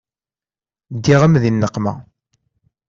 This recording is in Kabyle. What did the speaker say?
Ddiɣ-am di nneqma.